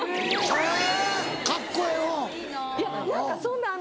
へぇ。